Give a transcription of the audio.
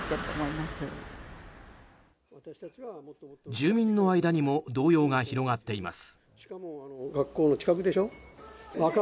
住民の間にも動揺が広がっています。